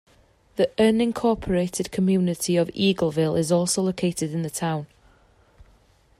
The unincorporated community of Eagleville is also located in the town.